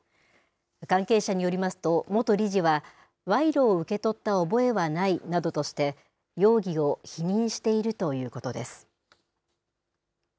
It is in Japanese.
関係者によりますと、元理事は賄賂を受け取った覚えはないなどとして、容疑を否認しているということです。